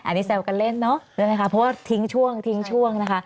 อันนี้แซวกันเล่นเนอะเพราะว่าทิ้งช่วงนะคะ